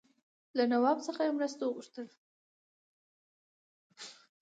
له نواب څخه یې مرسته وغوښتل.